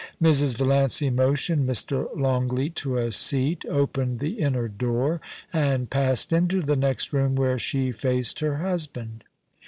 Mrs. Valiancy motioned Mr. Longleat to a seat, opened the inner door, and passed into the next room, where she faced her husband.